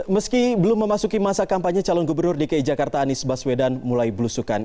meski belum memasuki masa kampanye calon gubernur dki jakarta anies baswedan mulai belusukan